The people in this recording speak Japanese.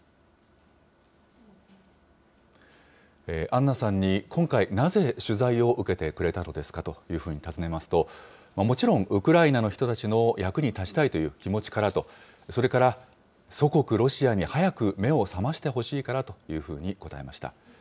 アンナさんに今回なぜ取材を受けてくれたのですかと尋ねますと、もちろん、ウクライナの人たちの役に立ちたいという気持ちからと、それから祖国ロシアに早く目を覚ましてほしいからというふうに答えました。